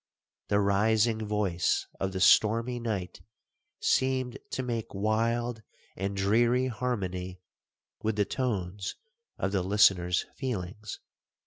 The rising voice of the stormy night seemed to make wild and dreary harmony with the tones of the listener's feelings.